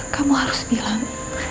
kamu harus bilang